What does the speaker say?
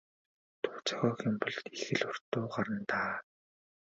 Дуу зохиох юм бол их л урт дуу гарна даа.